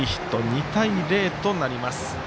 ２対０となります。